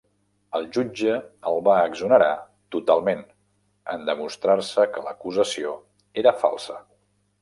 El jutge el va exonerar totalment en demostrar-se que l'acusació era falsa.